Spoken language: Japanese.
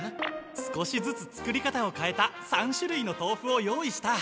少しずつ作り方をかえた３しゅるいのとうふを用意した。